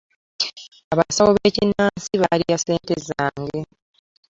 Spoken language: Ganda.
Abasawo bekinnaansi baalya ssente zange.